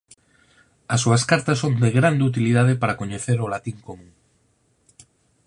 As súas cartas son de grande utilidade para coñecer o latín común.